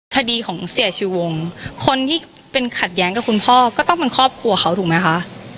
ทฤษฐีของเสรีอชีวงส์คนที่คัดแย้งกับคุณพ่าก็ต้องเป็นครอบครัวเขาถูกมั้ยคะ